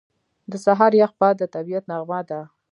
• د سهار یخ باد د طبیعت نغمه ده.